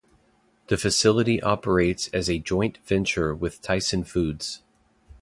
The facility operates as a joint venture with Tyson Foods.